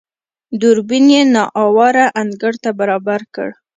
دوربين يې نااواره انګړ ته برابر کړ.